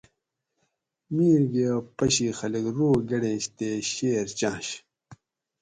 میر گیہۤ پشی خلک رو گڑینش تے شیر چانش